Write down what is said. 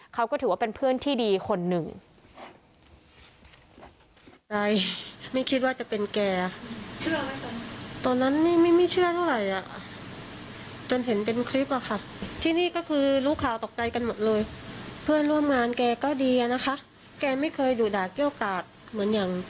เขาก็ถือว่าเป็นเพื่อนที่ดีคนหนึ่ง